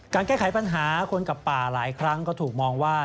แก้ไขปัญหาคนกับป่าหลายครั้งก็ถูกมองว่า